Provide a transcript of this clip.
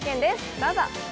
どうぞ！